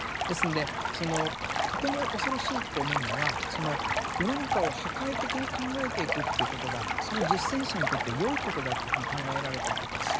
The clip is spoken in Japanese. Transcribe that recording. ですんでそのとても恐ろしいと思うのはその世の中を破壊的に考えていくということがその実践者にとってよいことだっていうふうに考えられていくって